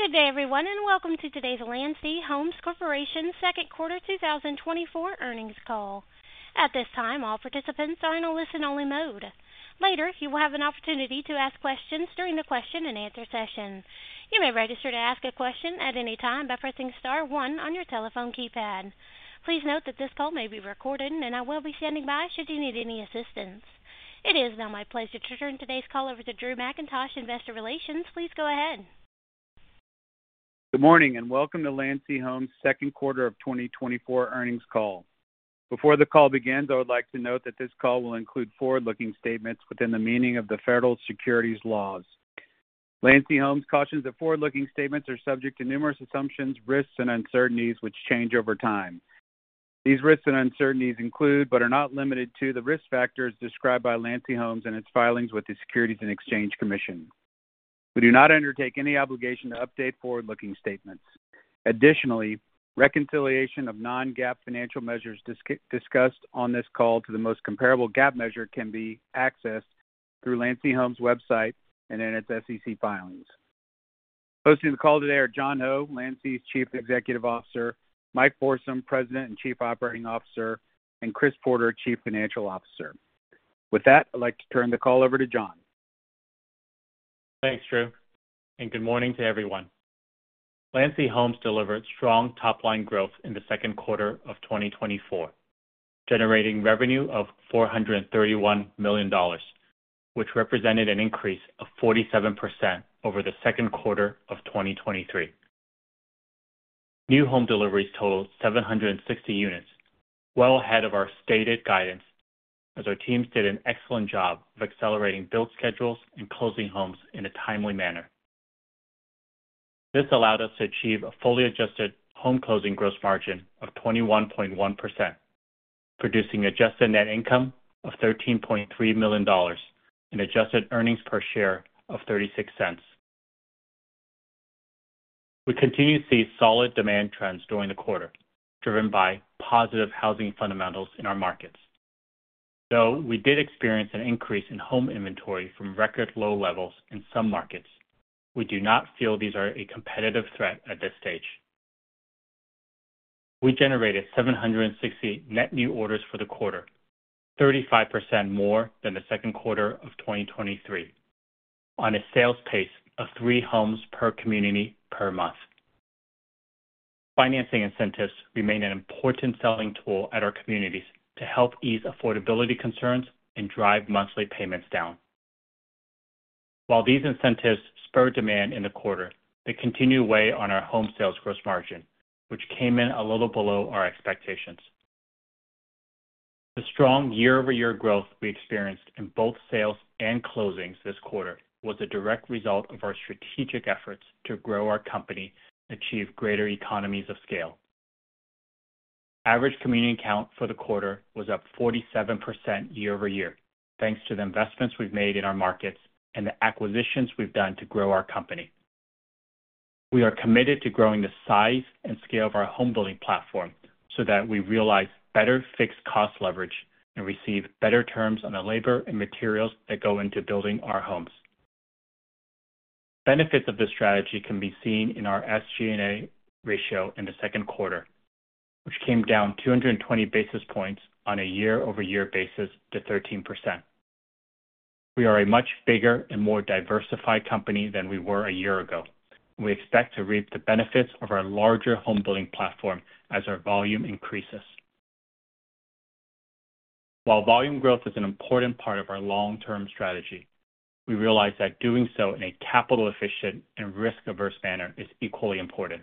Good day, everyone, and welcome to today's Landsea Homes Corporation second quarter 2024 earnings call. At this time, all participants are in a listen-only mode. Later, you will have an opportunity to ask questions during the question-and-answer session. You may register to ask a question at any time by pressing star one on your telephone keypad. Please note that this call may be recorded, and I will be standing by should you need any assistance. It is now my pleasure to turn today's call over to Drew Mackintosh, Investor Relations. Please go ahead. Good morning, and welcome to Landsea Homes second quarter of 2024 earnings call. Before the call begins, I would like to note that this call will include forward-looking statements within the meaning of the federal securities laws. Landsea Homes cautions that forward-looking statements are subject to numerous assumptions, risks, and uncertainties, which change over time. These risks and uncertainties include, but are not limited to, the risk factors described by Landsea Homes in its filings with the Securities and Exchange Commission. We do not undertake any obligation to update forward-looking statements. Additionally, reconciliation of non-GAAP financial measures discussed on this call to the most comparable GAAP measure can be accessed through Landsea Homes' website and in its SEC filings. Hosting the call today are John Ho, Landsea's Chief Executive Officer, Mike Forsum, President and Chief Operating Officer, and Chris Porter, Chief Financial Officer. With that, I'd like to turn the call over to John. Thanks, Drew, and good morning to everyone. Landsea Homes delivered strong top-line growth in the second quarter of 2024, generating revenue of $431 million, which represented an increase of 47% over the second quarter of 2023. New home deliveries totaled 760 units, well ahead of our stated guidance, as our teams did an excellent job of accelerating build schedules and closing homes in a timely manner. This allowed us to achieve a fully adjusted home closing gross margin of 21.1%, producing adjusted net income of $13.3 million and adjusted earnings per share of $0.36. We continue to see solid demand trends during the quarter, driven by positive housing fundamentals in our markets. Though we did experience an increase in home inventory from record low levels in some markets, we do not feel these are a competitive threat at this stage. We generated 760 net new orders for the quarter, 35% more than the second quarter of 2023, on a sales pace of 3 homes per community per month. Financing incentives remain an important selling tool at our communities to help ease affordability concerns and drive monthly payments down. While these incentives spurred demand in the quarter, they continue to weigh on our home sales gross margin, which came in a little below our expectations. The strong year-over-year growth we experienced in both sales and closings this quarter was a direct result of our strategic efforts to grow our company and achieve greater economies of scale. Average community count for the quarter was up 47% year-over-year, thanks to the investments we've made in our markets and the acquisitions we've done to grow our company. We are committed to growing the size and scale of our home building platform so that we realize better fixed cost leverage and receive better terms on the labor and materials that go into building our homes. Benefits of this strategy can be seen in our SG&A ratio in the second quarter, which came down 220 basis points on a year-over-year basis to 13%. We are a much bigger and more diversified company than we were a year ago. We expect to reap the benefits of our larger home building platform as our volume increases. While volume growth is an important part of our long-term strategy, we realize that doing so in a capital-efficient and risk-averse manner is equally important.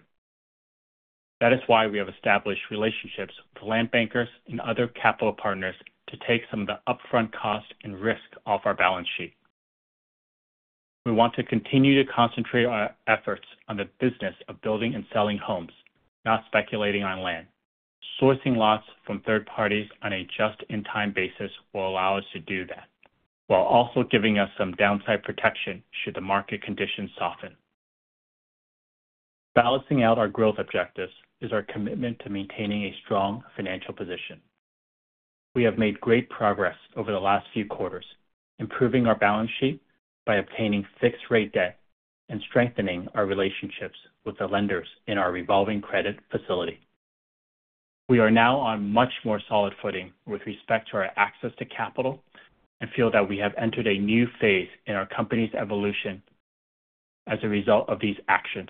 That is why we have established relationships with land bankers and other capital partners to take some of the upfront cost and risk off our balance sheet. We want to continue to concentrate our efforts on the business of building and selling homes, not speculating on land. Sourcing lots from third parties on a just-in-time basis will allow us to do that, while also giving us some downside protection should the market conditions soften. Balancing out our growth objectives is our commitment to maintaining a strong financial position. We have made great progress over the last few quarters, improving our balance sheet by obtaining fixed rate debt and strengthening our relationships with the lenders in our revolving credit facility. We are now on much more solid footing with respect to our access to capital and feel that we have entered a new phase in our company's evolution as a result of these actions.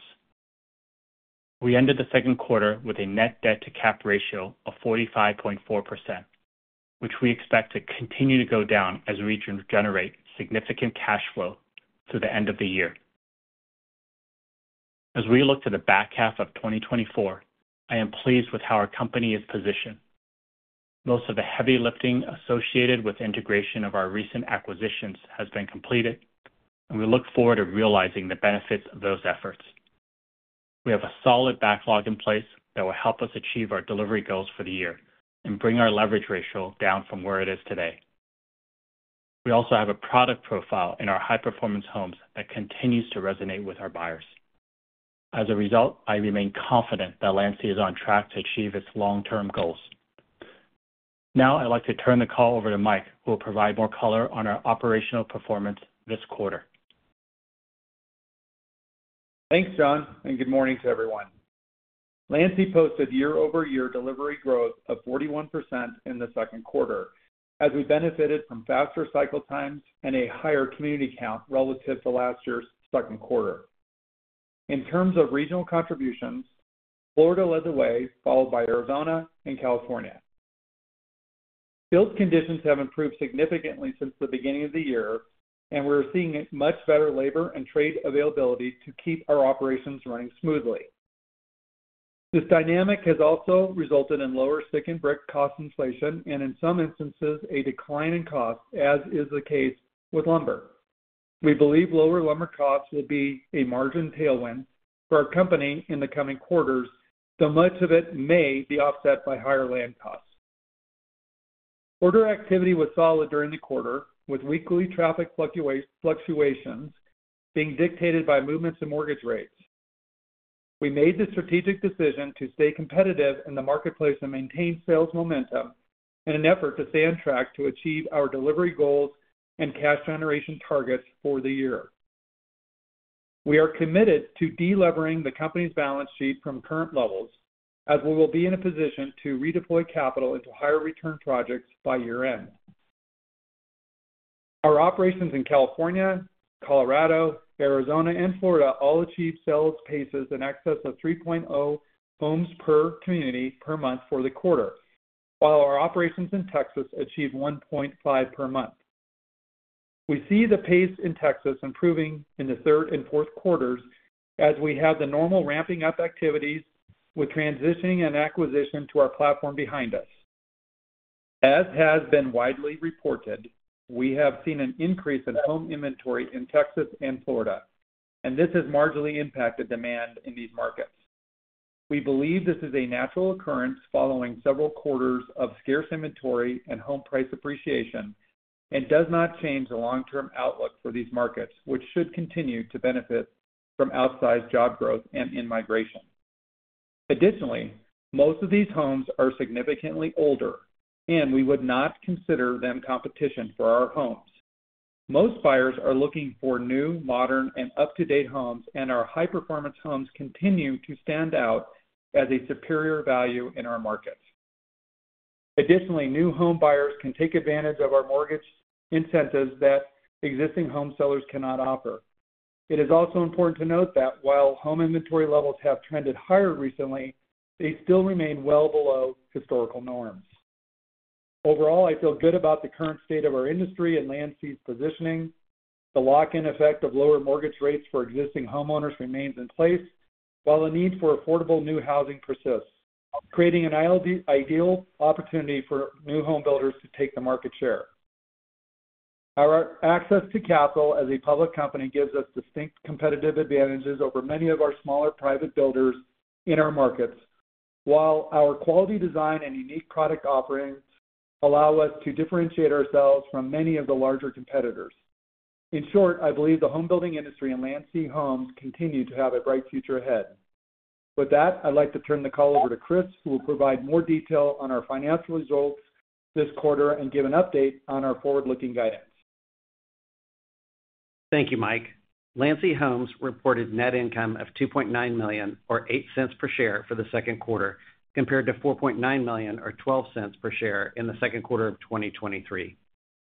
We ended the second quarter with a net debt to cap ratio of 45.4%, which we expect to continue to go down as we generate significant cash flow through the end of the year. As we look to the back half of 2024, I am pleased with how our company is positioned. Most of the heavy lifting associated with integration of our recent acquisitions has been completed, and we look forward to realizing the benefits of those efforts. We have a solid backlog in place that will help us achieve our delivery goals for the year and bring our leverage ratio down from where it is today. We also have a product profile in our High Performance Homes that continues to resonate with our buyers. As a result, I remain confident that Landsea is on track to achieve its long-term goals.... Now I'd like to turn the call over to Mike, who will provide more color on our operational performance this quarter. Thanks, John, and good morning to everyone. Landsea posted year-over-year delivery growth of 41% in the second quarter, as we benefited from faster cycle times and a higher community count relative to last year's second quarter. In terms of regional contributions, Florida led the way, followed by Arizona and California. Build conditions have improved significantly since the beginning of the year, and we're seeing a much better labor and trade availability to keep our operations running smoothly. This dynamic has also resulted in lower stick and brick cost inflation, and in some instances, a decline in cost, as is the case with lumber. We believe lower lumber costs will be a margin tailwind for our company in the coming quarters, though much of it may be offset by higher land costs. Order activity was solid during the quarter, with weekly traffic fluctuations being dictated by movements in mortgage rates. We made the strategic decision to stay competitive in the marketplace and maintain sales momentum in an effort to stay on track to achieve our delivery goals and cash generation targets for the year. We are committed to delevering the company's balance sheet from current levels, as we will be in a position to redeploy capital into higher return projects by year-end. Our operations in California, Colorado, Arizona, and Florida all achieved sales paces in excess of 3.0 homes per community per month for the quarter, while our operations in Texas achieved 1.5 per month. We see the pace in Texas improving in the third and fourth quarters as we have the normal ramping up activities with transitioning and acquisition to our platform behind us. As has been widely reported, we have seen an increase in home inventory in Texas and Florida, and this has marginally impacted demand in these markets. We believe this is a natural occurrence following several quarters of scarce inventory and home price appreciation, and does not change the long-term outlook for these markets, which should continue to benefit from outsized job growth and in-migration. Additionally, most of these homes are significantly older, and we would not consider them competition for our homes. Most buyers are looking for new, modern, and up-to-date homes, and our High Performance Homes continue to stand out as a superior value in our markets. Additionally, new home buyers can take advantage of our mortgage incentives that existing home sellers cannot offer. It is also important to note that while home inventory levels have trended higher recently, they still remain well below historical norms. Overall, I feel good about the current state of our industry and Landsea's positioning. The lock-in effect of lower mortgage rates for existing homeowners remains in place, while the need for affordable new housing persists, creating an ideal, ideal opportunity for new home builders to take the market share. Our access to capital as a public company gives us distinct competitive advantages over many of our smaller private builders in our markets, while our quality design and unique product offerings allow us to differentiate ourselves from many of the larger competitors. In short, I believe the home building industry and Landsea Homes continue to have a bright future ahead. With that, I'd like to turn the call over to Chris, who will provide more detail on our financial results this quarter and give an update on our forward-looking guidance. Thank you, Mike. Landsea Homes reported net income of $2.9 million, or $0.08 per share, for the second quarter, compared to $4.9 million, or $0.12 per share, in the second quarter of 2023.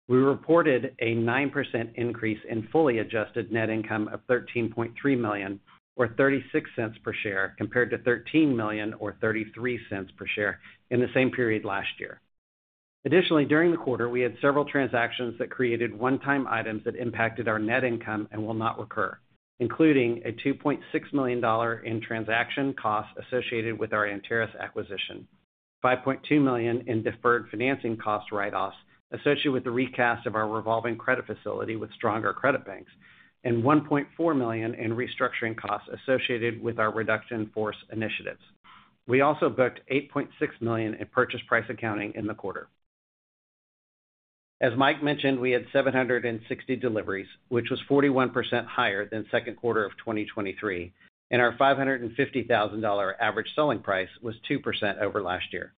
We reported a 9% increase in fully adjusted net income of $13.3 million, or $0.36 per share, compared to $13 million or $0.33 per share in the same period last year. Additionally, during the quarter, we had several transactions that created one-time items that impacted our net income and will not recur, including a $2.6 million dollar in transaction costs associated with our Antares acquisition, $5.2 million in deferred financing cost write-offs associated with the recast of our revolving credit facility with stronger credit banks, and $1.4 million in restructuring costs associated with our reduction in force initiatives. We also booked $8.6 million in purchase price accounting in the quarter. As Mike mentioned, we had 760 deliveries, which was 41% higher than second quarter of 2023, and our $550,000 average selling price was 2% over last year,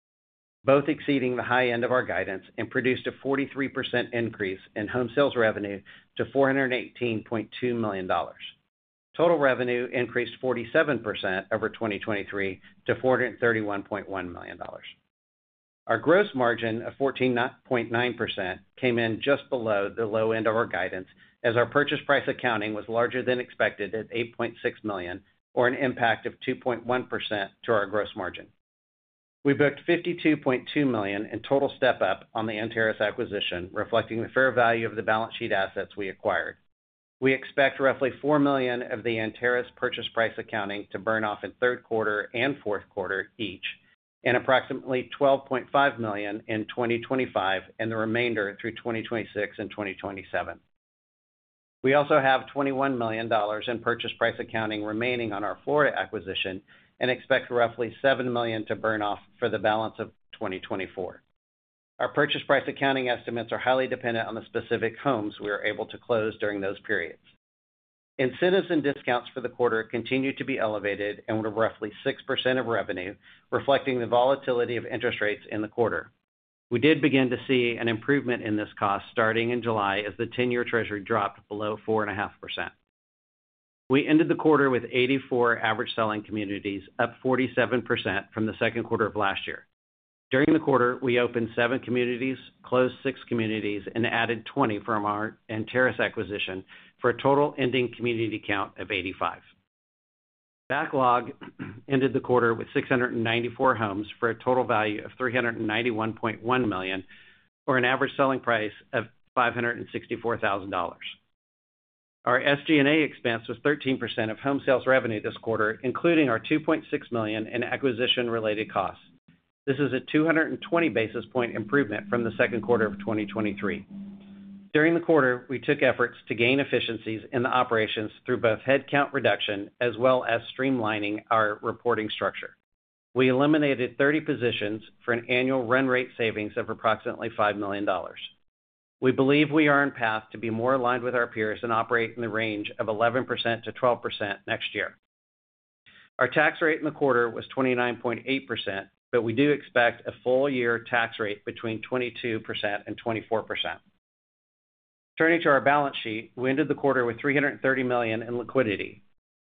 both exceeding the high end of our guidance and produced a 43% increase in home sales revenue to $418.2 million. Total revenue increased 47% over 2023 to $431.1 million. Our gross margin of 14.9% came in just below the low end of our guidance, as our purchase price accounting was larger than expected at $8.6 million, or an impact of 2.1% to our gross margin. We booked $52.2 million in total step up on the Antares acquisition, reflecting the fair value of the balance sheet assets we acquired. We expect roughly $4 million of the Antares purchase price accounting to burn off in third quarter and fourth quarter each, and approximately $12.5 million in 2025, and the remainder through 2026 and 2027. We also have $21 million in purchase price accounting remaining on our Florida acquisition and expect roughly $7 million to burn off for the balance of 2024. Our purchase price accounting estimates are highly dependent on the specific homes we are able to close during those periods. Incentives and discounts for the quarter continued to be elevated and were roughly 6% of revenue, reflecting the volatility of interest rates in the quarter. We did begin to see an improvement in this cost starting in July as the 10-year Treasury dropped below 4.5%. We ended the quarter with 84 average selling communities, up 47% from the second quarter of last year. During the quarter, we opened 7 communities, closed 6 communities, and added 20 from our Antares acquisition, for a total ending community count of 85. Backlog ended the quarter with 694 homes for a total value of $391.1 million, or an average selling price of $564,000. Our SG&A expense was 13% of home sales revenue this quarter, including our $2.6 million in acquisition-related costs. This is a 220 basis point improvement from the second quarter of 2023. During the quarter, we took efforts to gain efficiencies in the operations through both headcount reduction as well as streamlining our reporting structure. We eliminated 30 positions for an annual run rate savings of approximately $5 million. We believe we are on path to be more aligned with our peers and operate in the range of 11%-12% next year. Our tax rate in the quarter was 29.8%, but we do expect a full-year tax rate between 22%-24%. Turning to our balance sheet, we ended the quarter with $330 million in liquidity,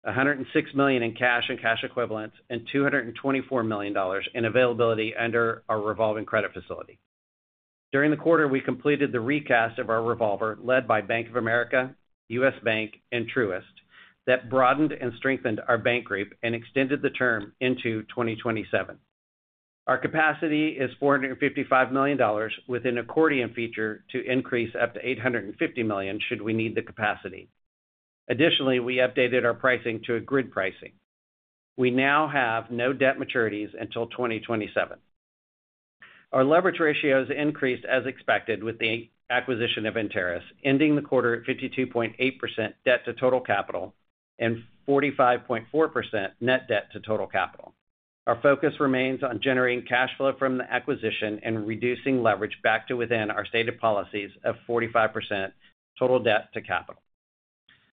$106 million in cash and cash equivalents, and $224 million in availability under our revolving credit facility. During the quarter, we completed the recast of our revolver, led by Bank of America, U.S. Bank, and Truist, that broadened and strengthened our bank group and extended the term into 2027. Our capacity is $455 million, with an accordion feature to increase up to $850 million, should we need the capacity. Additionally, we updated our pricing to a grid pricing. We now have no debt maturities until 2027. Our leverage ratios increased as expected with the acquisition of Antares, ending the quarter at 52.8% debt to total capital and 45.4% net debt to total capital. Our focus remains on generating cash flow from the acquisition and reducing leverage back to within our stated policies of 45% total debt to capital.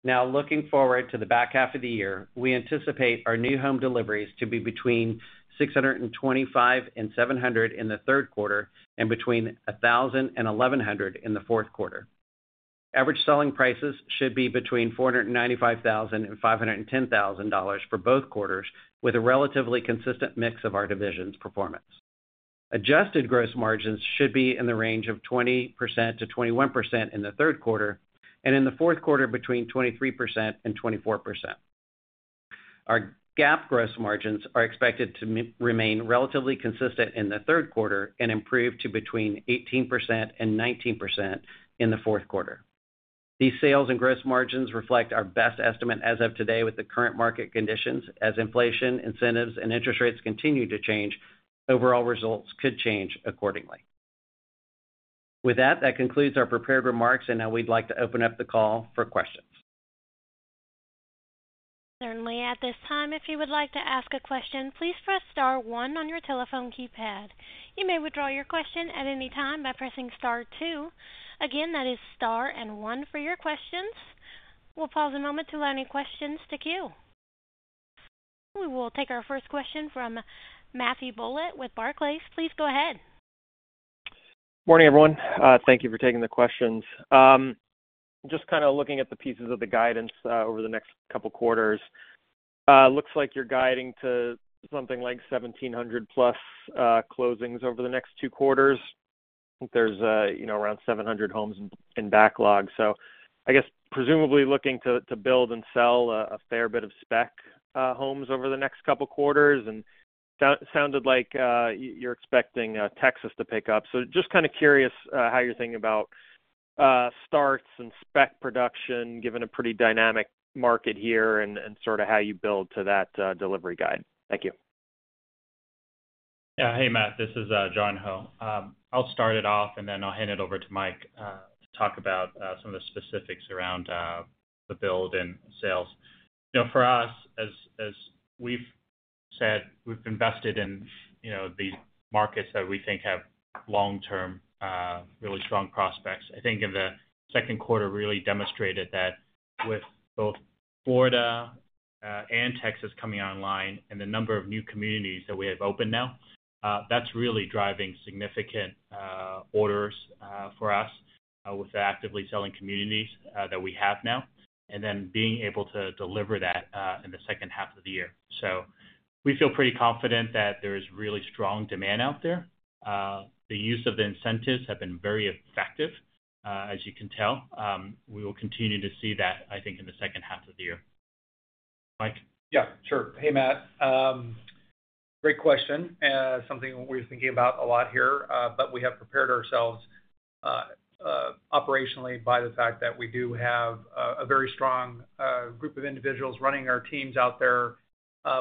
Now, looking forward to the back half of the year, we anticipate our new home deliveries to be between 625 and 700 in the third quarter and between 1,000 and 1,100 in the fourth quarter. Average selling prices should be between $495,000 and $510,000 for both quarters, with a relatively consistent mix of our divisions' performance. Adjusted gross margins should be in the range of 20%-21% in the third quarter, and in the fourth quarter, between 23% and 24%. Our GAAP gross margins are expected to remain relatively consistent in the third quarter and improve to between 18% and 19% in the fourth quarter. These sales and gross margins reflect our best estimate as of today with the current market conditions. As inflation, incentives, and interest rates continue to change, overall results could change accordingly. With that, that concludes our prepared remarks, and now we'd like to open up the call for questions. Certainly. At this time, if you would like to ask a question, please press star one on your telephone keypad. You may withdraw your question at any time by pressing star two. Again, that is star and one for your questions. We'll pause a moment to allow any questions to queue. We will take our first question from Matthew Bouley with Barclays. Please go ahead. Morning, everyone. Thank you for taking the questions. Just kind of looking at the pieces of the guidance over the next couple quarters. Looks like you're guiding to something like 1,700 plus closings over the next 2 quarters. I think there's, you know, around 700 homes in backlog. So I guess presumably looking to build and sell a fair bit of spec homes over the next couple quarters, and sounded like you're expecting Texas to pick up. So just kind of curious how you're thinking about starts and spec production, given a pretty dynamic market here and sort of how you build to that delivery guide. Thank you. Yeah. Hey, Matt, this is John Ho. I'll start it off, and then I'll hand it over to Mike to talk about some of the specifics around the build and sales. You know, for us, as we've said, we've invested in, you know, the markets that we think have long-term really strong prospects. I think in the second quarter really demonstrated that with both Florida and Texas coming online and the number of new communities that we have opened now, that's really driving significant orders for us with the actively selling communities that we have now, and then being able to deliver that in the second half of the year. So we feel pretty confident that there is really strong demand out there. The use of the incentives have been very effective, as you can tell. We will continue to see that, I think, in the second half of the year. Mike? Yeah, sure. Hey, Matt. Great question. Something we're thinking about a lot here, but we have prepared ourselves operationally by the fact that we do have a very strong group of individuals running our teams out there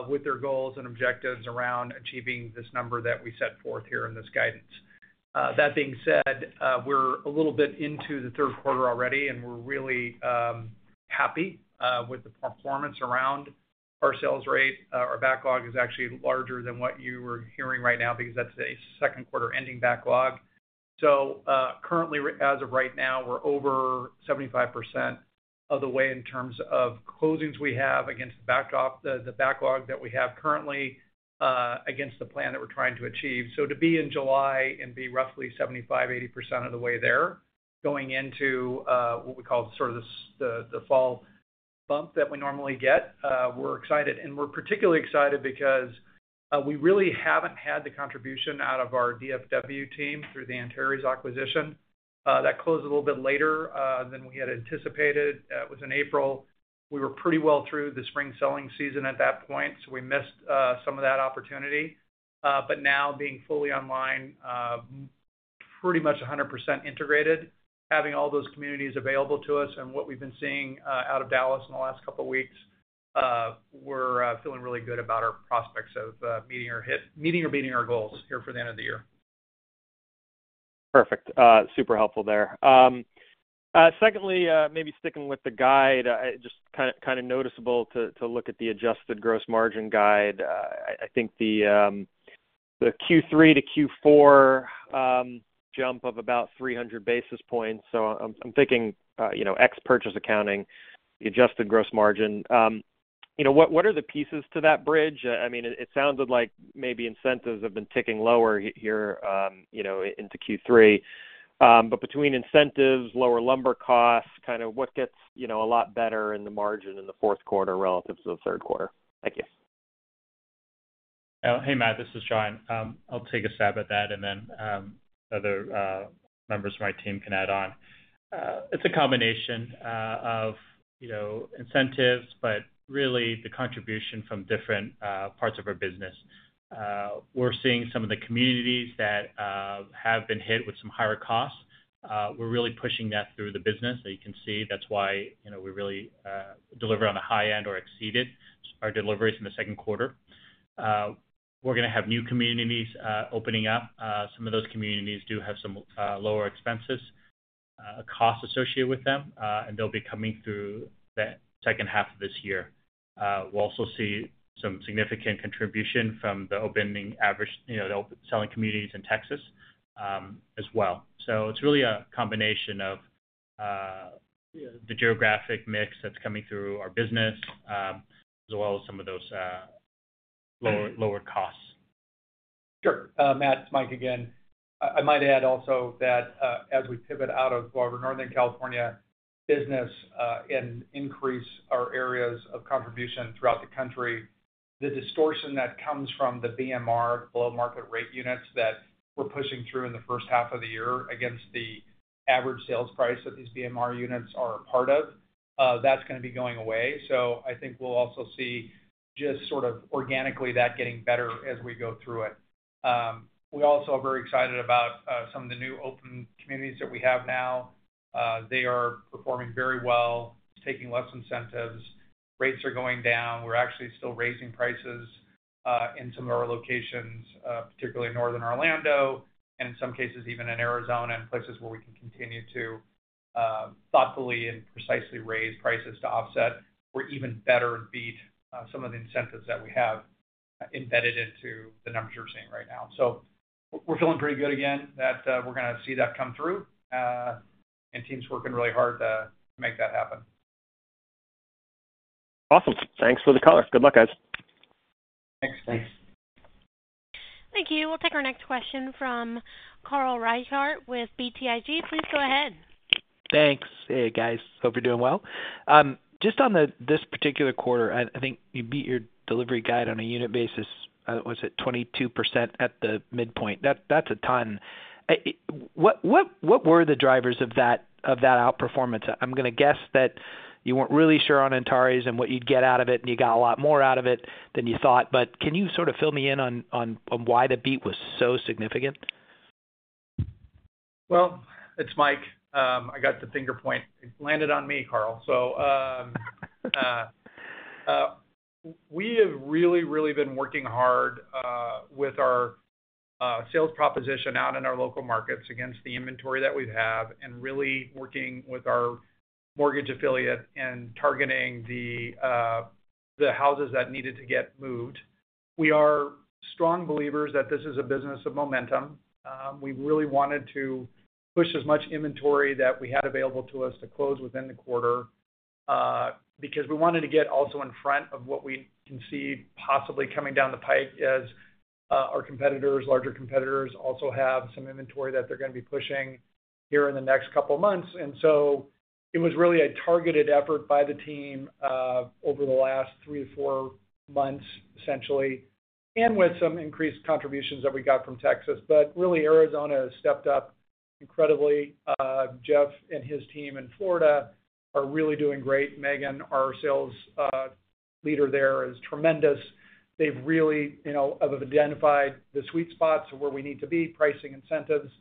with their goals and objectives around achieving this number that we set forth here in this guidance. That being said, we're a little bit into the third quarter already, and we're really happy with the performance around our sales rate. Our backlog is actually larger than what you were hearing right now because that's a second quarter ending backlog.... So, currently, as of right now, we're over 75% of the way in terms of closings we have against the backdrop, the backlog that we have currently against the plan that we're trying to achieve. So to be in July and be roughly 75%-80% of the way there, going into what we call sort of the fall bump that we normally get, we're excited. And we're particularly excited because we really haven't had the contribution out of our DFW team through the Antares acquisition. That closed a little bit later than we had anticipated. It was in April. We were pretty well through the spring selling season at that point, so we missed some of that opportunity. But now being fully online, pretty much 100% integrated, having all those communities available to us and what we've been seeing out of Dallas in the last couple of weeks, we're feeling really good about our prospects of meeting or beating our goals here for the end of the year. Perfect. Super helpful there. Secondly, maybe sticking with the guide, just kind of noticeable to look at the adjusted gross margin guide. I think the Q3 to Q4 jump of about 300 basis points. So I'm thinking, you know, ex purchase accounting, the adjusted gross margin. You know, what are the pieces to that bridge? I mean, it sounds like maybe incentives have been ticking lower here, you know, into Q3. But between incentives, lower lumber costs, kind of what gets, you know, a lot better in the margin in the fourth quarter relative to the third quarter? Thank you. Hey, Matt, this is John. I'll take a stab at that, and then other members of my team can add on. It's a combination of, you know, incentives, but really the contribution from different parts of our business. We're seeing some of the communities that have been hit with some higher costs. We're really pushing that through the business. So you can see that's why, you know, we really deliver on the high end or exceeded our deliveries in the second quarter. We're gonna have new communities opening up. Some of those communities do have some lower expenses, costs associated with them, and they'll be coming through the second half of this year. We'll also see some significant contribution from the opening average, you know, the selling communities in Texas, as well. So it's really a combination of the geographic mix that's coming through our business, as well as some of those lower, lower costs. Sure. Matt, it's Mike again. I might add also that as we pivot out of our Northern California business and increase our areas of contribution throughout the country, the distortion that comes from the BMR, Below Market Rate units, that we're pushing through in the first half of the year against the average sales price that these BMR units are a part of, that's gonna be going away. So I think we'll also see just sort of organically, that getting better as we go through it. We also are very excited about some of the new open communities that we have now. They are performing very well, taking less incentives. Rates are going down. We're actually still raising prices in some of our locations, particularly in northern Orlando, and in some cases, even in Arizona, and places where we can continue to thoughtfully and precisely raise prices to offset or even better beat some of the incentives that we have embedded into the numbers you're seeing right now. So we're, we're feeling pretty good again, that we're gonna see that come through, and team's working really hard to make that happen. Awesome. Thanks for the color. Good luck, guys. Thanks. Thanks. Thank you. We'll take our next question from Carl Reichardt with BTIG. Please go ahead. Thanks. Hey, guys. Hope you're doing well. Just on this particular quarter, I think you beat your delivery guide on a unit basis. Was it 22% at the midpoint? That's a ton. What, what, what were the drivers of that, of that outperformance? I'm gonna guess that you weren't really sure on Antares and what you'd get out of it, and you got a lot more out of it than you thought. But can you sort of fill me in on why the beat was so significant? Well, it's Mike. I got the finger point. It landed on me, Carl. So, we have really, really been working hard, with our sales proposition out in our local markets against the inventory that we have, and really working with our mortgage affiliate and targeting the houses that needed to get moved. We are strong believers that this is a business of momentum. We really wanted to push as much inventory that we had available to us to close within the quarter, because we wanted to get also in front of what we can see possibly coming down the pike as our competitors, larger competitors, also have some inventory that they're gonna be pushing here in the next couple of months. And so it was really a targeted effort by the team, over the last 3-4 months, essentially, and with some increased contributions that we got from Texas. But really, Arizona has stepped up incredibly. Jeff and his team in Florida are really doing great. Megan, our sales leader there, is tremendous. They've really, you know, have identified the sweet spots of where we need to be, pricing incentives,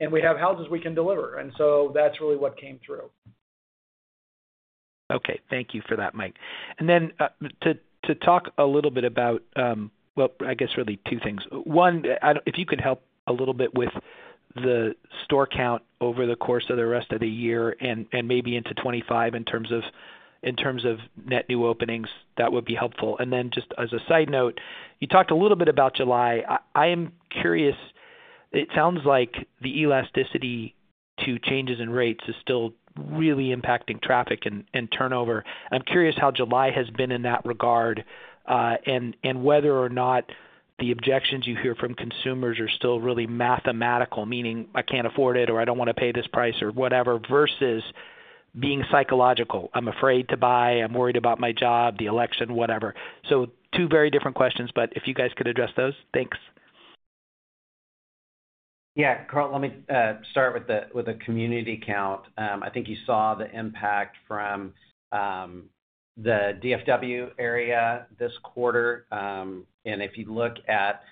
and we have houses we can deliver, and so that's really what came through. Okay. Thank you for that, Mike. And then, to talk a little bit about, well, I guess really two things. One, if you could help a little bit with the community count over the course of the rest of the year and maybe into 2025 in terms of net new openings, that would be helpful. And then just as a side note, you talked a little bit about July. I am curious. It sounds like the elasticity to changes in rates is still really impacting traffic and turnover. I'm curious how July has been in that regard, and whether or not the objections you hear from consumers are still really mathematical, meaning, "I can't afford it," or, "I don't wanna pay this price," or whatever, versus being psychological, "I'm afraid to buy. I'm worried about my job, the election," whatever. So two very different questions, but if you guys could address those. Thanks. Yeah, Carl, let me start with the community count. I think you saw the impact from the DFW area this quarter. And if you look at,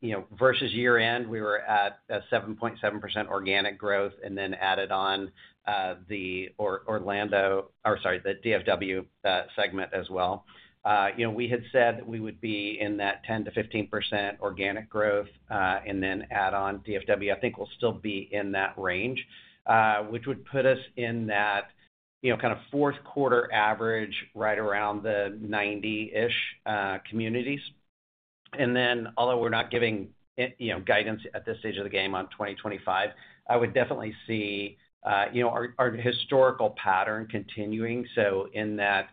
you know, versus year-end, we were at a 7.7% organic growth, and then added on the DFW segment as well. You know, we had said that we would be in that 10%-15% organic growth, and then add on DFW. I think we'll still be in that range, which would put us in that, you know, kind of fourth quarter average, right around the 90-ish communities. And then, although we're not giving, you know, guidance at this stage of the game on 2025, I would definitely see, you know, our historical pattern continuing. So in that,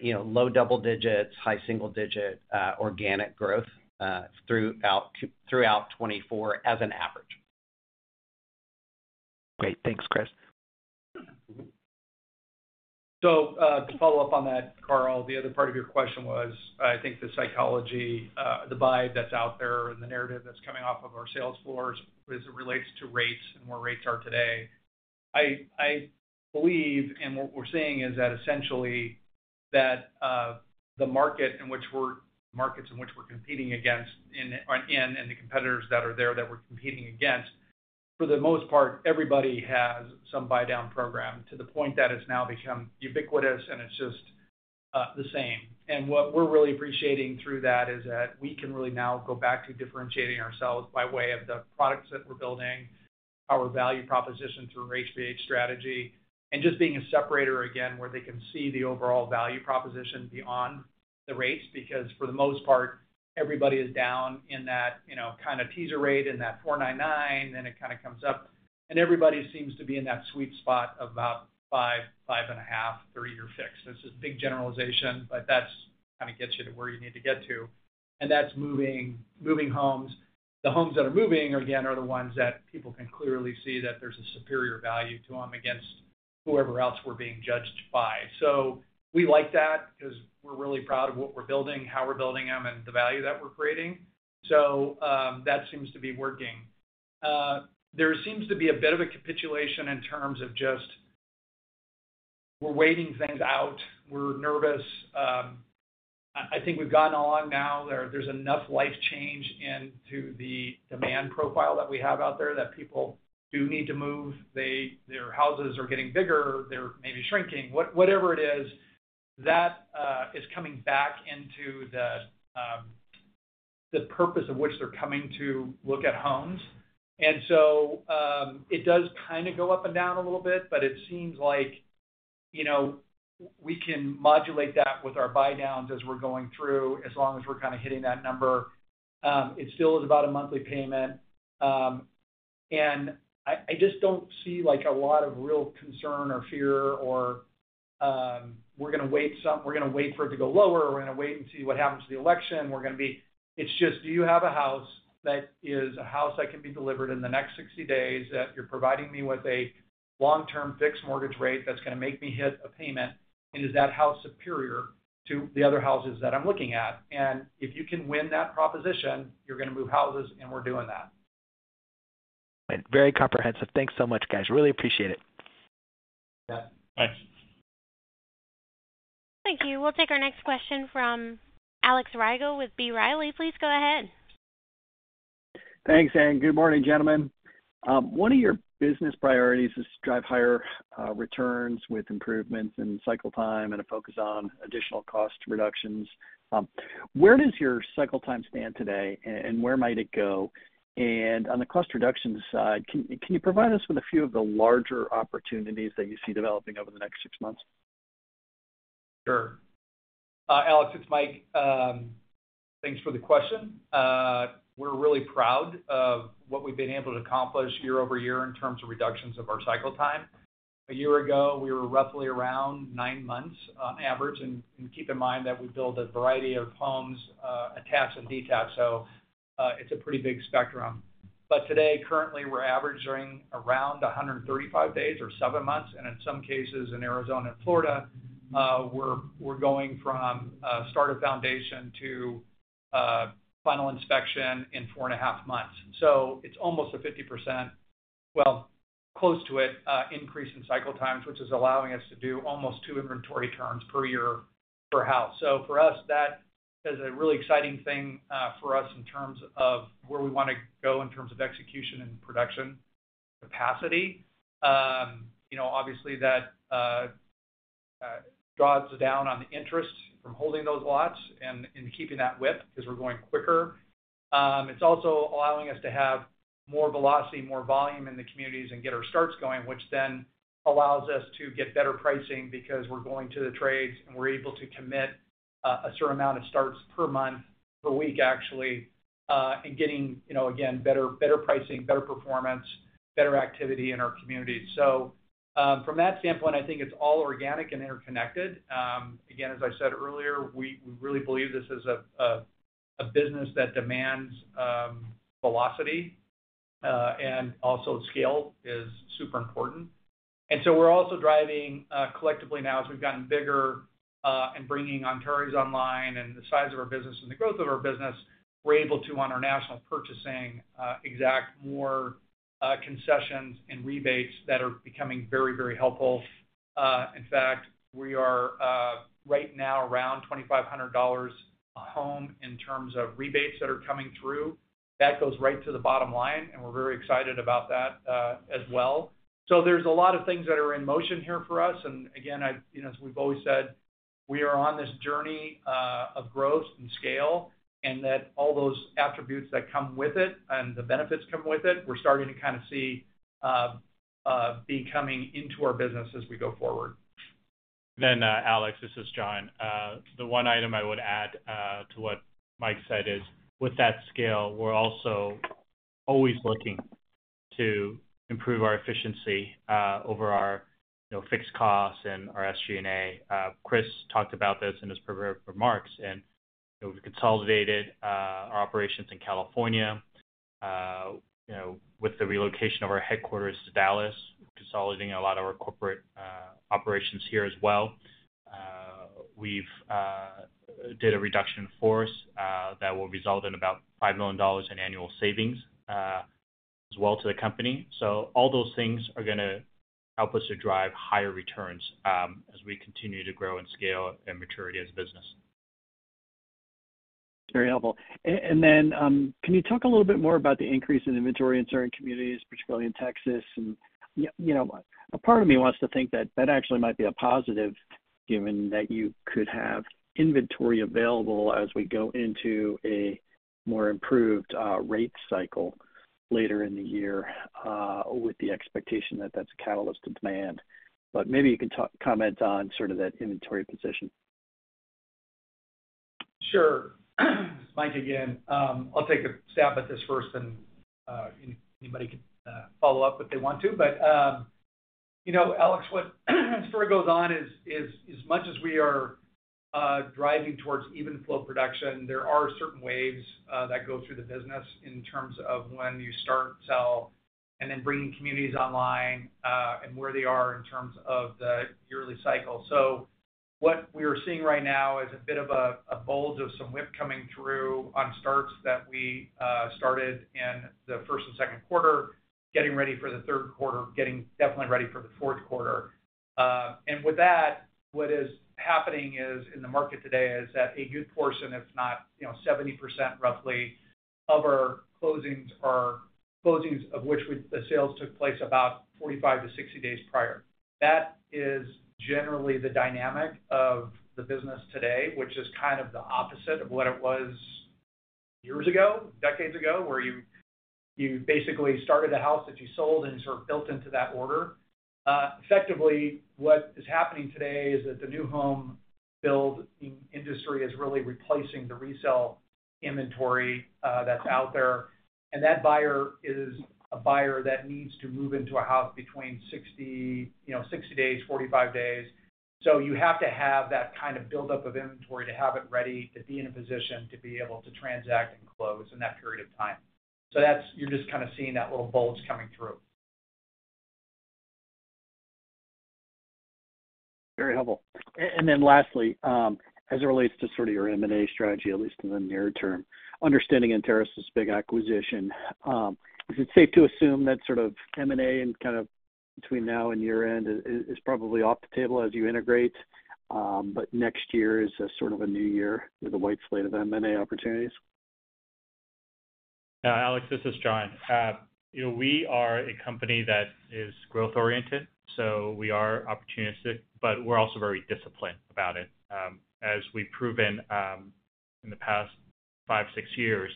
you know, low double digits, high single digit, organic growth throughout 2024 as an average. Great. Thanks, Chris. Mm-hmm. So, to follow up on that, Carl, the other part of your question was, I think the psychology, the buy that's out there and the narrative that's coming off of our sales floors as it relates to rates and where rates are today. I believe, and what we're seeing is that essentially, that, the markets in which we're competing against, in, are in, and the competitors that are there that we're competing against, for the most part, everybody has some buy down program, to the point that it's now become ubiquitous and it's just, the same. What we're really appreciating through that is that we can really now go back to differentiating ourselves by way of the products that we're building, our value proposition through rate-based strategy, and just being a separator again, where they can see the overall value proposition beyond the rates. Because for the most part, everybody is down in that, you know, kind of teaser rate, in that 4.99, then it kind of comes up. And everybody seems to be in that sweet spot of about 5, 5.5, three-year fix. This is a big generalization, but that's kind of gets you to where you need to get to, and that's moving, moving homes. The homes that are moving, again, are the ones that people can clearly see that there's a superior value to them against whoever else we're being judged by. So we like that, 'cause we're really proud of what we're building, how we're building them, and the value that we're creating. So, that seems to be working. There seems to be a bit of a capitulation in terms of just... We're waiting things out. We're nervous. I think we've gotten along now, there's enough life change into the demand profile that we have out there, that people do need to move. Their houses are getting bigger, they're maybe shrinking. Whatever it is, that is coming back into the purpose of which they're coming to look at homes. So, it does kind of go up and down a little bit, but it seems like, you know, we can modulate that with our buy downs as we're going through, as long as we're kind of hitting that number. It still is about a monthly payment. And I just don't see, like, a lot of real concern or fear or, we're gonna wait for it to go lower, or we're gonna wait and see what happens to the election. We're gonna be... It's just, do you have a house that is a house that can be delivered in the next 60 days, that you're providing me with a long-term fixed mortgage rate that's gonna make me hit a payment? And is that house superior to the other houses that I'm looking at? And if you can win that proposition, you're gonna move houses, and we're doing that. Very comprehensive. Thanks so much, guys. Really appreciate it. Yeah. Thanks. Thank you. We'll take our next question from Alex Rygiel with B. Riley. Please go ahead. Thanks, Anne. Good morning, gentlemen. One of your business priorities is to drive higher returns with improvements in cycle time and a focus on additional cost reductions. Where does your cycle time stand today, and where might it go? And on the cost reduction side, can you provide us with a few of the larger opportunities that you see developing over the next six months? Sure. Alex, it's Mike. Thanks for the question. We're really proud of what we've been able to accomplish year-over-year in terms of reductions of our cycle time. A year ago, we were roughly around nine months on average, and keep in mind that we build a variety of homes, attached and detached, so it's a pretty big spectrum. But today, currently, we're averaging around 135 days or seven months, and in some cases, in Arizona and Florida, we're going from start a foundation to final inspection in four and a half months. So it's almost a 50%, well, close to it, increase in cycle times, which is allowing us to do almost 2 inventory turns per year per house. So for us, that is a really exciting thing, for us in terms of where we wanna go in terms of execution and production capacity. You know, obviously that draws down on the interest from holding those lots and, and keeping that WIP, because we're going quicker. It's also allowing us to have more velocity, more volume in the communities and get our starts going, which then allows us to get better pricing because we're going to the trades, and we're able to commit a certain amount of starts per month, per week, actually, and getting, you know, again, better, better pricing, better performance, better activity in our communities. So, from that standpoint, I think it's all organic and interconnected. Again, as I said earlier, we really believe this is a business that demands velocity, and also scale is super important. And so we're also driving collectively now, as we've gotten bigger, and bringing on Antares online and the size of our business and the growth of our business, we're able to, on our national purchasing, extract more concessions and rebates that are becoming very, very helpful. In fact, we are right now around $2,500 a home in terms of rebates that are coming through. That goes right to the bottom line, and we're very excited about that, as well. So there's a lot of things that are in motion here for us, and again, I, you know, as we've always said, we are on this journey of growth and scale, and that all those attributes that come with it and the benefits come with it, we're starting to kind of see becoming into our business as we go forward. Then, Alex, this is John. The one item I would add to what Mike said is, with that scale, we're also always looking to improve our efficiency over our, you know, fixed costs and our SG&A. Chris talked about this in his prepared remarks, and, you know, we've consolidated our operations in California, you know, with the relocation of our headquarters to Dallas, consolidating a lot of our corporate operations here as well. We've did a reduction in force that will result in about $5 million in annual savings as well to the company. So all those things are gonna help us to drive higher returns, as we continue to grow and scale and maturity as a business. Very helpful. And then, can you talk a little bit more about the increase in inventory in certain communities, particularly in Texas? And, you know, a part of me wants to think that that actually might be a positive, given that you could have inventory available as we go into a more improved rate cycle later in the year, with the expectation that that's a catalyst to demand. But maybe you can comment on sort of that inventory position. Sure. Mike, again. I'll take a stab at this first, and anybody can follow up if they want to. But you know, Alex, what story goes on is, as much as we are driving towards even flow production, there are certain waves that go through the business in terms of when you start, sell, and then bringing communities online, and where they are in terms of the yearly cycle. So what we are seeing right now is a bit of a bulge of some WIP coming through on starts that we started in the first and second quarter, getting ready for the third quarter, getting definitely ready for the fourth quarter. And with that, what is happening is, in the market today, is that a good portion, if not, you know, 70% roughly, of our closings are closings of which the sales took place about 45-60 days prior. That is generally the dynamic of the business today, which is kind of the opposite of what it was years ago, decades ago, where you basically started a house that you sold and sort of built into that order. Effectively, what is happening today is that the new home building industry is really replacing the resale inventory that's out there, and that buyer is a buyer that needs to move into a house between 60, you know, 60 days, 45 days. So you have to have that kind of buildup of inventory to have it ready to be in a position to be able to transact and close in that period of time. So that's... You're just kind of seeing that little bulge coming through. Very helpful. And then lastly, as it relates to sort of your M&A strategy, at least in the near term, understanding Antares' big acquisition, is it safe to assume that sort of M&A and kind of between now and year-end is probably off the table as you integrate, but next year is a sort of a new year with a clean slate of M&A opportunities? Alex, this is John. You know, we are a company that is growth-oriented, so we are opportunistic, but we're also very disciplined about it. As we've proven in the past five, six years,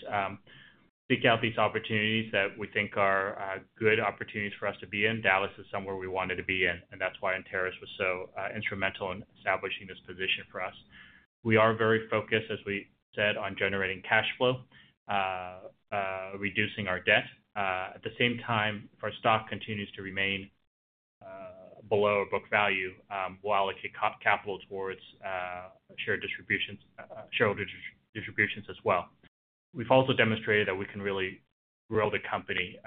seek out these opportunities that we think are good opportunities for us to be in. Dallas is somewhere we wanted to be in, and that's why Antares was so instrumental in establishing this position for us. We are very focused, as we said, on generating cash flow, reducing our debt. At the same time, if our stock continues to remain below book value, while it could cap capital towards share distributions, shareholder distributions as well. We've also demonstrated that we can really grow the company,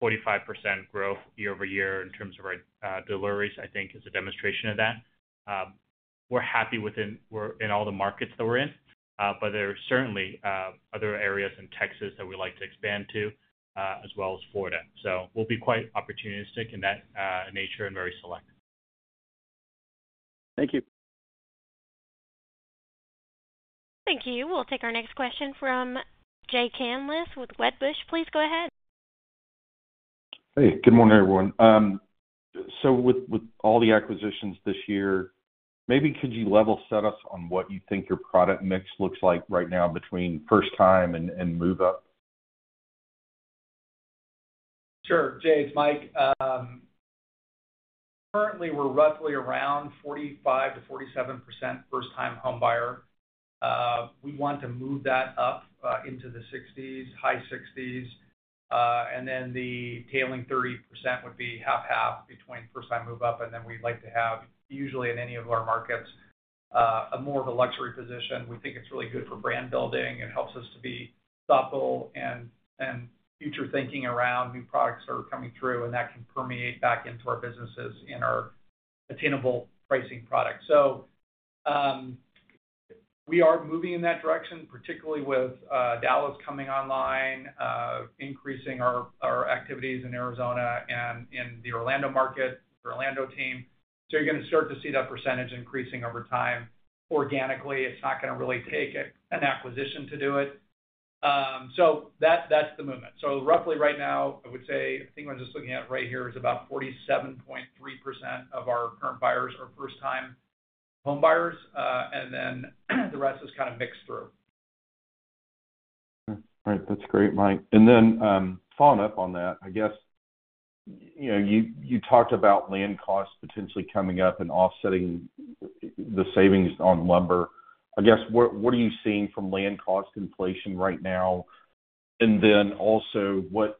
45% growth year-over-year in terms of our deliveries, I think is a demonstration of that. We're happy within, we're in all the markets that we're in, but there are certainly other areas in Texas that we'd like to expand to, as well as Florida. So we'll be quite opportunistic in that nature and very selective. Thank you. Thank you. We'll take our next question from Jay McCanless with Wedbush. Please go ahead. Hey, good morning, everyone. So with all the acquisitions this year, maybe could you level set us on what you think your product mix looks like right now between first time and move up?... Sure, Jay, it's Mike. Currently, we're roughly around 45%-47% first-time homebuyer. We want to move that up into the 60s, high 60s. And then the tailing 30% would be 50/50 between first-time move up, and then we'd like to have, usually in any of our markets, a more of a luxury position. We think it's really good for brand building and helps us to be thoughtful and future thinking around new products that are coming through, and that can permeate back into our businesses in our attainable pricing product. So, we are moving in that direction, particularly with Dallas coming online, increasing our activities in Arizona and in the Orlando market, the Orlando team. So you're gonna start to see that percentage increasing over time. Organically, it's not gonna really take an acquisition to do it. So that's the movement. So roughly right now, I would say, I think we're just looking at it right here, is about 47.3% of our current buyers are first-time homebuyers, and then, the rest is kind of mixed through. Hmm. All right. That's great, Mike. And then, following up on that, I guess, you know, you talked about land costs potentially coming up and offsetting the savings on lumber. I guess, what are you seeing from land cost inflation right now? And then also, what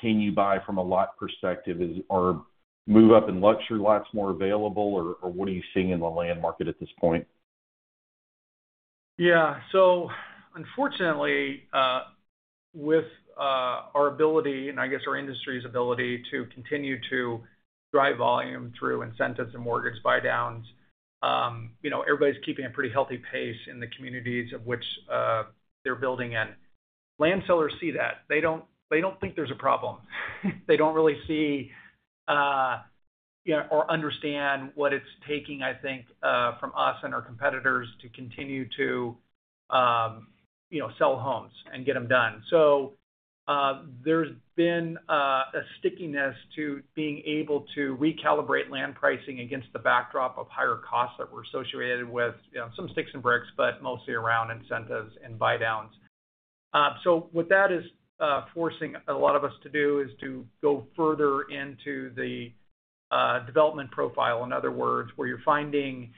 can you buy from a lot perspective? Is or move up in luxury lots more available, or what are you seeing in the land market at this point? Yeah. So unfortunately, with our ability, and I guess our industry's ability, to continue to drive volume through incentives and mortgage buydowns, you know, everybody's keeping a pretty healthy pace in the communities of which they're building in. Land sellers see that. They don't, they don't think there's a problem. They don't really see, you know, or understand what it's taking, I think, from us and our competitors to continue to, you know, sell homes and get them done. So, there's been a stickiness to being able to recalibrate land pricing against the backdrop of higher costs that were associated with, you know, some sticks and bricks, but mostly around incentives and buydowns. So what that is forcing a lot of us to do is to go further into the development profile. In other words, where you're finding,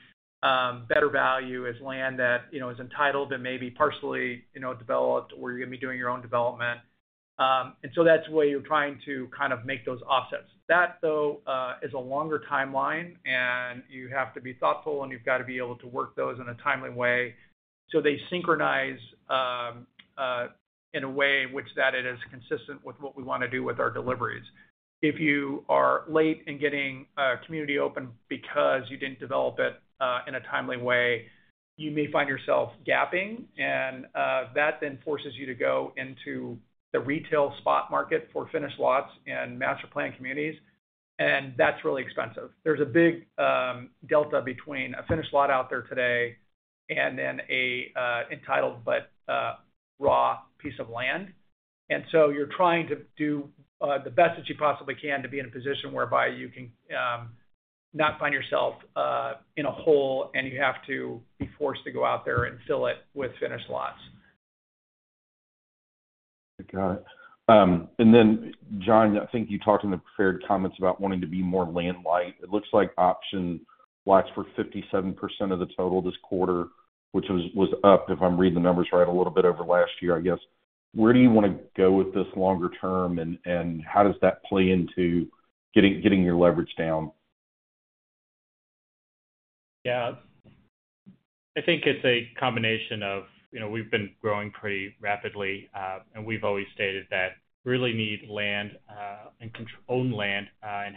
better value, is land that, you know, is entitled and maybe partially, you know, developed, where you're gonna be doing your own development. And so that's the way you're trying to kind of make those offsets. That, though, is a longer timeline, and you have to be thoughtful, and you've got to be able to work those in a timely way so they synchronize, in a way which it is consistent with what we want to do with our deliveries. If you are late in getting a community open because you didn't develop it, in a timely way, you may find yourself gapping, and, that then forces you to go into the retail spot market for finished lots and master planned communities, and that's really expensive. There's a big delta between a finished lot out there today and then a entitled but raw piece of land. And so you're trying to do the best that you possibly can to be in a position whereby you can not find yourself in a hole, and you have to be forced to go out there and fill it with finished lots. I got it. And then, John, I think you talked in the prepared comments about wanting to be more land light. It looks like option lots for 57% of the total this quarter, which was up, if I'm reading the numbers right, a little bit over last year, I guess. Where do you want to go with this longer term, and how does that play into getting your leverage down? Yeah. I think it's a combination of, you know, we've been growing pretty rapidly, and we've always stated that we really need land, and control and own land, and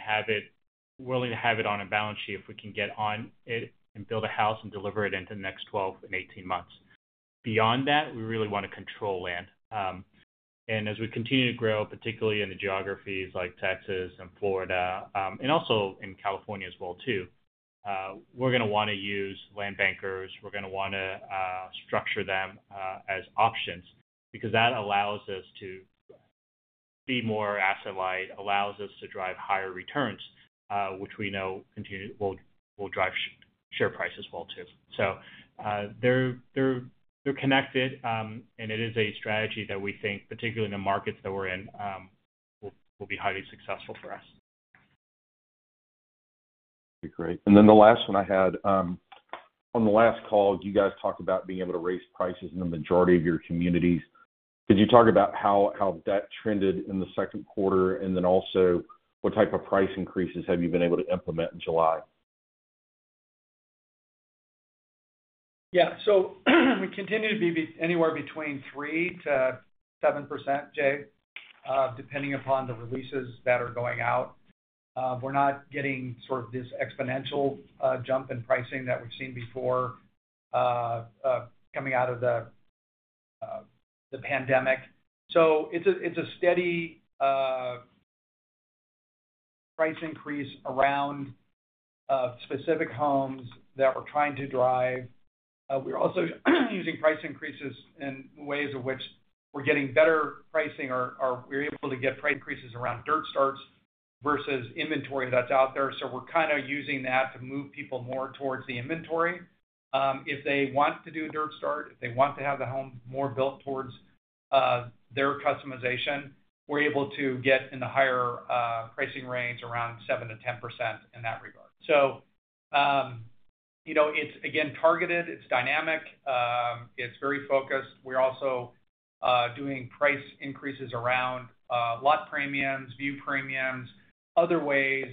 we're willing to have it on a balance sheet if we can get on it and build a house and deliver it into the next 12 and 18 months. Beyond that, we really want to control land. And as we continue to grow, particularly in the geographies like Texas and Florida, and also in California as well too, we're gonna wanna use land bankers. We're gonna wanna structure them as options, because that allows us to be more asset light, allows us to drive higher returns, which we know will continue to drive share price as well, too. So, they're connected, and it is a strategy that we think, particularly in the markets that we're in, will be highly successful for us. Okay, great. And then the last one I had on the last call, you guys talked about being able to raise prices in the majority of your communities. Could you talk about how that trended in the second quarter, and then also, what type of price increases have you been able to implement in July? Yeah. So we continue to be anywhere between 3%-7%, Jay. We're not getting sort of this exponential jump in pricing that we've seen before, coming out of the pandemic. So it's a steady price increase around specific homes that we're trying to drive. We're also using price increases in ways of which we're getting better pricing or we're able to get price increases around dirt starts.... versus inventory that's out there, so we're kind of using that to move people more towards the inventory. If they want to do a dirt start, if they want to have the home more built towards their customization, we're able to get in the higher pricing range around 7%-10% in that regard. So, you know, it's again, targeted, it's dynamic, it's very focused. We're also doing price increases around lot premiums, view premiums, other ways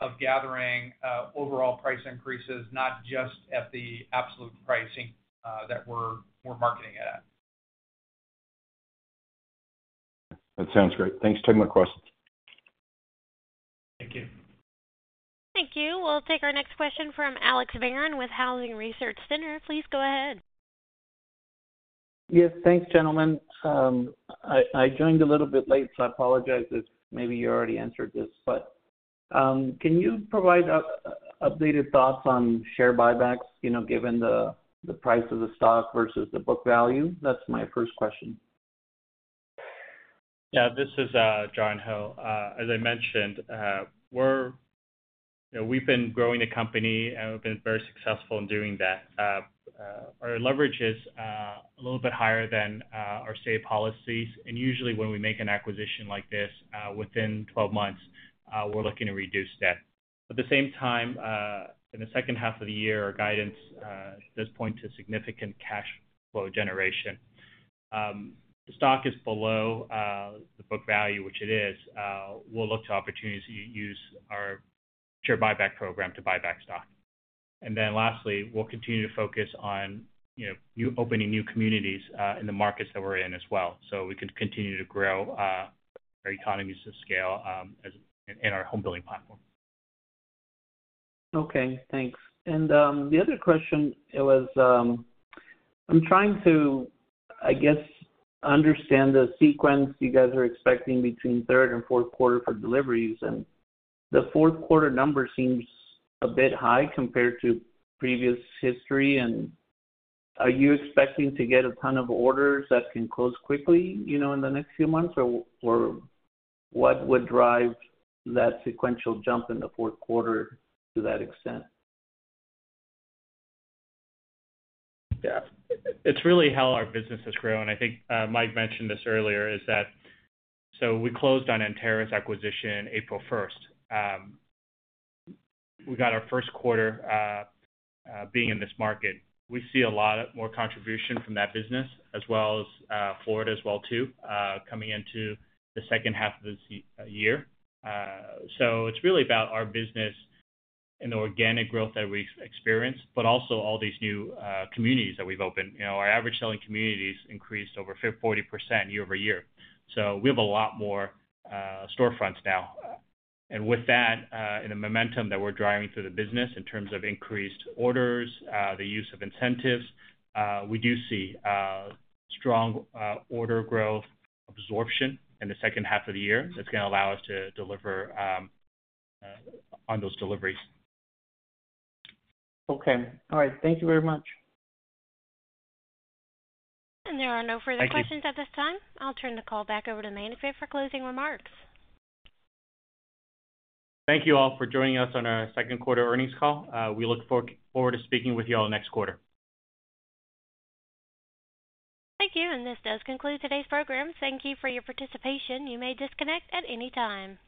of gathering overall price increases, not just at the absolute pricing that we're, we're marketing it at. That sounds great. Thanks for taking my questions. Thank you. Thank you. We'll take our next question from Alex Barron with Housing Research Center. Please go ahead. Yes, thanks, gentlemen. I joined a little bit late, so I apologize if maybe you already answered this, but, can you provide updated thoughts on share buybacks, you know, given the, the price of the stock versus the book value? That's my first question. Yeah, this is John Ho. As I mentioned, we're, you know, we've been growing the company, and we've been very successful in doing that. Our leverage is a little bit higher than our stated policies, and usually, when we make an acquisition like this, within 12 months, we're looking to reduce debt. At the same time, in the second half of the year, our guidance does point to significant cash flow generation. The stock is below the book value, which it is. We'll look to opportunities to use our share buyback program to buy back stock. And then lastly, we'll continue to focus on, you know, opening new communities in the markets that we're in as well, so we can continue to grow our economies of scale as in our home building platform. Okay, thanks. And the other question was, I'm trying to, I guess, understand the sequence you guys are expecting between third and fourth quarter for deliveries, and the fourth quarter number seems a bit high compared to previous history. And are you expecting to get a ton of orders that can close quickly, you know, in the next few months? Or what would drive that sequential jump in the fourth quarter to that extent? Yeah. It's really how our business has grown, and I think, Mike mentioned this earlier, is that, so we closed on Antares acquisition April first. We got our first quarter, being in this market. We see a lot of more contribution from that business as well as, Florida as well, too, coming into the second half of this year. So it's really about our business and the organic growth that we've experienced, but also all these new, communities that we've opened. You know, our average selling communities increased over 40% year-over-year. So we have a lot more, storefronts now. With that, in the momentum that we're driving through the business in terms of increased orders, the use of incentives, we do see strong order growth absorption in the second half of the year. That's gonna allow us to deliver on those deliveries. Okay. All right. Thank you very much. There are no further questions at this time. Thank you. I'll turn the call back over to the management for closing remarks. Thank you all for joining us on our second quarter earnings call. We look forward to speaking with you all next quarter. Thank you, and this does conclude today's program. Thank you for your participation. You may disconnect at any time.